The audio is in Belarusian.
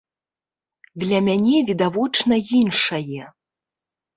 Для мяне відавочна іншае.